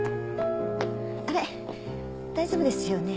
あれ大丈夫ですよね？